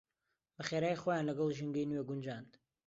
بەخێرایی خۆیان لەگەڵ ژینگەی نوێ گونجاند.